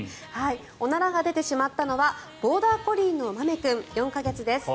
おならが出てしまったのはボーダーコリーのまめ君４か月です。